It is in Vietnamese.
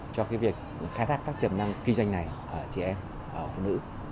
cho việc khai thác các tiềm năng kinh doanh này ở chị em ở phụ nữ